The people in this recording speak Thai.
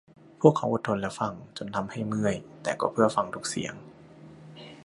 พวกเขาอดทนและฟัง จนทำให้เมื่อยแต่ก็เพื่อฟังทุกเสียง